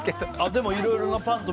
でも、いろいろなパンと。